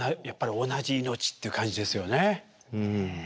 やっぱり同じ命っていう感じですよね。